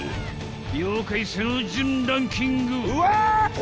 ［妖怪背の順ランキング］